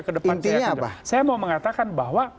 ke depan saya saya mau mengatakan bahwa